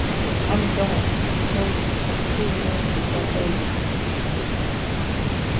ამის გამო, ცეოლითები ხასიათდება იონური ელექტრო გამტარობით, რაც განპირობებულია კათიონების მიგრაციით ცეოლითის კარკასში.